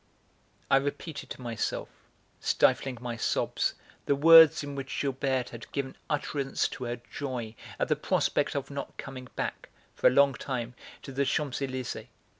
I repeated to myself, stifling my sobs, the words in which Gilberte had given utterance to her joy at the prospect of not coming back, for a long time, to the Champs Elysées.